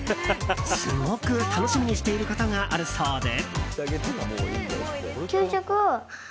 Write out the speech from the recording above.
すごく楽しみにしていることがあるそうで。